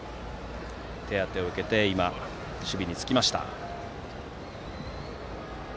手当てを受けて守備につきました。